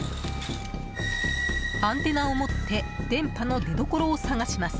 アンテナを持って電波の出どころを探します。